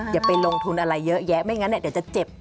อย่าไปลงทุนอะไรเยอะแยะไม่งั้นเดี๋ยวจะเจ็บ